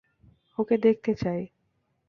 ওকে দেখতে চাই।